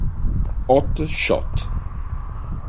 Hot Shot